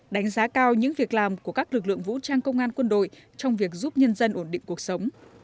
đánh giá cao những việc làm của các lực lượng vũ trang công an quân đội trong việc giúp nhân dân ổn định cuộc sống